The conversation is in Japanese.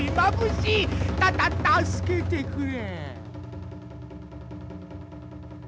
たた助けてくれ。